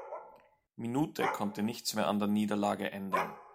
Minute konnte nichts mehr an der Niederlage ändern.